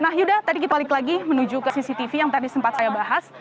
kita balik lagi menuju ke cctv yang tadi sempat saya bahas